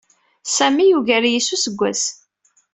Sami yugar-iyi s useggas.